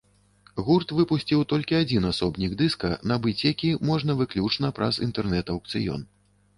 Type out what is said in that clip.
Гурт выпусціў толькі адзін асобнік дыска, набыць які можна выключна праз інтэрнэт-аукцыён.